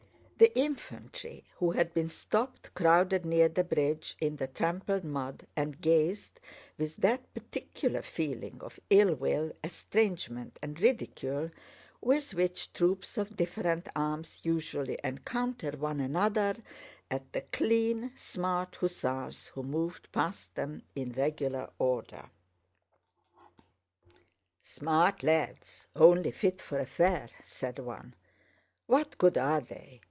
The infantry who had been stopped crowded near the bridge in the trampled mud and gazed with that particular feeling of ill will, estrangement, and ridicule with which troops of different arms usually encounter one another at the clean, smart hussars who moved past them in regular order. "Smart lads! Only fit for a fair!" said one. "What good are they?